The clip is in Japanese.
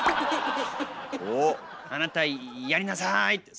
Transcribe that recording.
「あなたやりなさい。